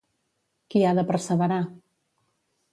Qui ha de perseverar?